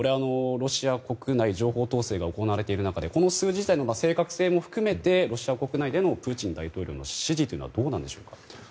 ロシア国内情報統制が行われている中でこの数字の正確性も含めてロシア国内でのプーチン大統領の支持というのはどうなんでしょうか？